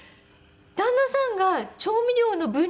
旦那さんが調味料の分量